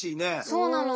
そうなの。